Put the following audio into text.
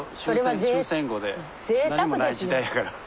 終戦後で何もない時代やから。